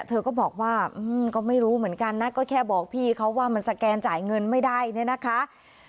เธอก็บอกว่าก็ไม่รู้เหมือนกันนะก็แค่บอกพี่เขาว่ามันสแกนจ่ายเงินไม่ได้เนี่ยนะคะ